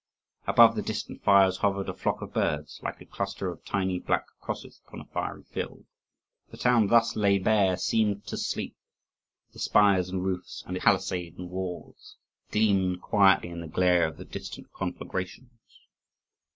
Above the distant fires hovered a flock of birds, like a cluster of tiny black crosses upon a fiery field. The town thus laid bare seemed to sleep; the spires and roofs, and its palisade and walls, gleamed quietly in the glare of the distant conflagrations.